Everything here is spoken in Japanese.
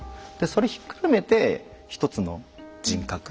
それひっくるめて一つの人格。